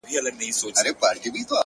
• دا روغن په ټول دوکان کي قیمتې وه,